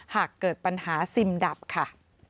หากเกิดปัญหาซิมดับค่ะ